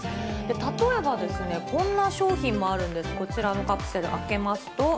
例えばですね、こんな商品もあるんです、こちらのカプセル、開けますと。